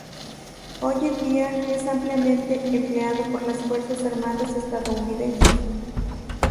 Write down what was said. Hoy en día es ampliamente empleado por las Fuerzas Armadas estadounidenses.